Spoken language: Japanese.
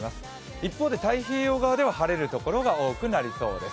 一方で太平洋側では晴れる所が多くなりそうです。